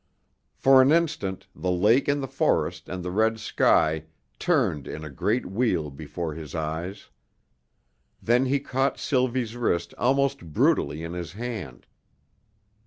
For an instant the lake and the forest and the red sky turned in a great wheel before his eyes. Then he caught Sylvie's wrist almost brutally in his hand.